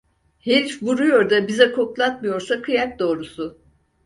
Herif vuruyor da, bize koklatmıyorsa kıyak doğrusu.